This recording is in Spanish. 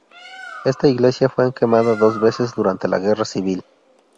Esta iglesia fue quemada dos veces durante la Guerra Civil.